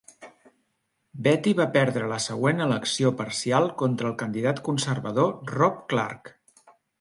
Beatty va perdre la següent elecció parcial contra el candidat conservador Rob Clarke.